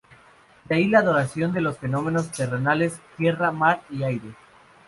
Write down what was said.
De ahí la adoración de los fenómenos terrenales: tierra, mar y aire.